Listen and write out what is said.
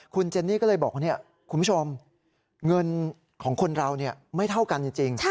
คุณเจนนี่ก็เลยบอกคุณผู้ชมเงินของคนเราไม่เท่ากันจริง